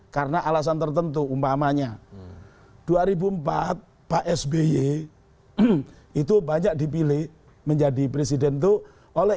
karena alasan tertentu umpamanya dua ribu empat pak sby itu banyak dipilih menjadi presiden tuh oleh